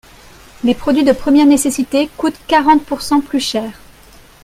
Les produits de première nécessité coûtent quarante pourcent plus cher.